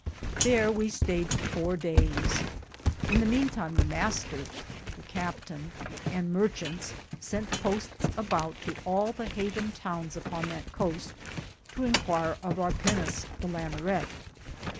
Thare we stayed four dayes. In the meane'time the Mr.^ and Martchantes sent postes aboute to all the haven townes upon that coste to inquier of our pinis, the Lanerett.